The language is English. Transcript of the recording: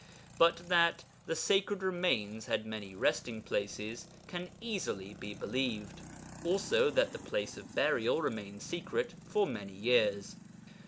But that the sacred remains had many resting places can easily be believed; also that the place of burial remained secret for many years.